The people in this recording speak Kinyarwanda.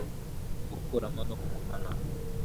gukuramo no kugumana